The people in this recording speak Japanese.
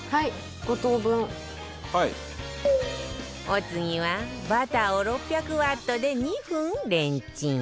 お次はバターを６００ワットで２分レンチン